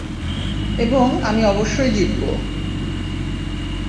এবং আমি অবশ্যই জিতব।